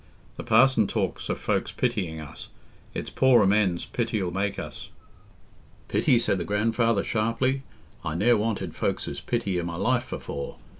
The parson talks o' folks pitying us: it's poor amends pity 'ull make us." "Pity?" said the grandfather, sharply. "I ne'er wanted folks's pity i' my life afore...